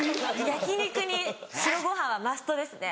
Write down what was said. ・焼き肉に白ご飯はマストですね。